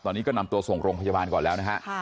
ตอนนี้ก็นำตัวส่งโรงพยาบาลก่อนแล้วนะฮะ